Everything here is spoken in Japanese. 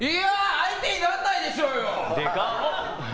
相手になんないでしょうよ！